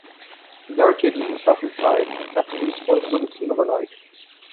He barricaded himself inside and kept police forces on scene overnight.